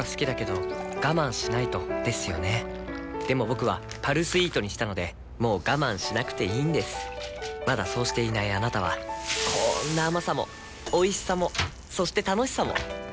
僕は「パルスイート」にしたのでもう我慢しなくていいんですまだそうしていないあなたはこんな甘さもおいしさもそして楽しさもあちっ。